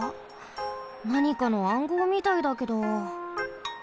なにかの暗号みたいだけど。